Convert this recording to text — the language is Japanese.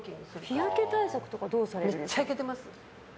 日焼け対策とかどうされるんですか？